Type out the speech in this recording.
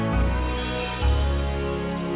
ya udah hati hati ya